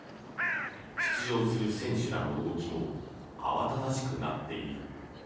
出場する選手らの動きも慌ただしくなっている。